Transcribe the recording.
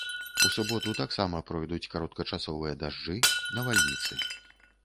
У суботу таксама пройдуць кароткачасовыя дажджы, навальніцы.